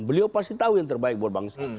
beliau pasti tahu yang terbaik buat bangsa